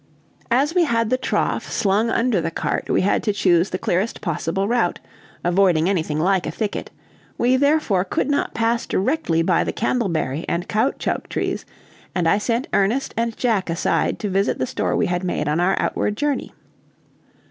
As we had the trough slung under the cart we had to choose the clearest possible route, avoiding anything like a thicket; we, therefore, could not pass directly by the candleberry and caoutchouc trees, and I sent Ernest and Jack aside to visit the store we had made on our outward journey.